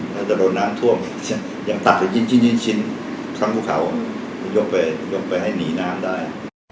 ก็จะโดนน้ำท่วมยังตัดอยู่ชิ้นทั้งภูเขายกไปให้หนีน้ำได้